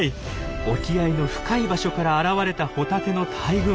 沖合の深い場所から現れたホタテの大群。